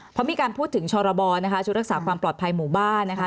เพราะมีการพูดถึงชรบนะคะชุดรักษาความปลอดภัยหมู่บ้านนะคะ